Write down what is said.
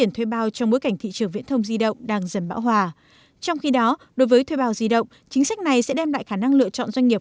thuê bao di động chính sách này sẽ đem lại khả năng lựa chọn doanh nghiệp